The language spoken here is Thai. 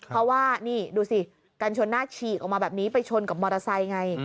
เพราะว่านี่ดูสิกันชนหน้าฉีกออกมาแบบนี้ไปชนกับมอเตอร์ไซค์ไง